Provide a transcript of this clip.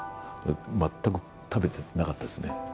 全く食べてなかったですね。